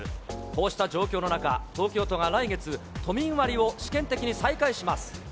こうした状況の中、東京都が来月、都民割を試験的に再開します。